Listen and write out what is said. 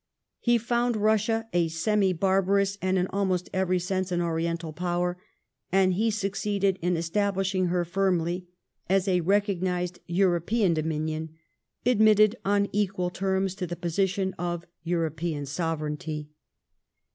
He found Eussia a semi barbarous and in 1708 THE CHARACTER OF PETER. 21 almost every sense an Oriental Power, and he suc ceeded in establishing her firmly as a recognised European dominion, admitted on equal terms to the position of European sovereignty.